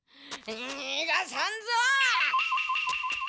にがさんぞっ！